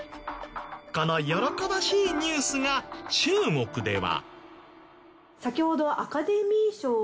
この喜ばしいニュースが中国では。